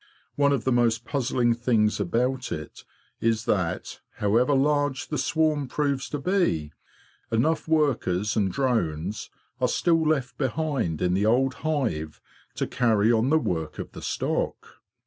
One of the most puzzling things about it is that, however large the swarm proves to be, enough workers and drones are still left behind in the old hive to carry on the work of the stock.